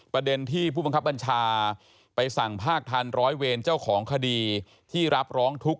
ประเด็นที่ผู้บังคับบัญชาไปสั่งภาคทันร้อยเวรเจ้าของคดีที่รับร้องทุกข์